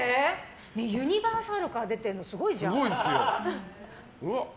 ユニバーサルから出てるのすごいじゃん。